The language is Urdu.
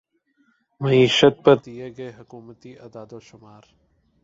معیشت پر دیے گئے حکومتی اعداد و شمار